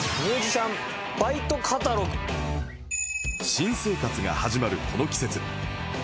新生活が始まるこの季節